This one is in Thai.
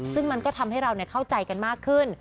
ซึ่งมันก็ทำให้เราเข้าใจกันมากขึ้น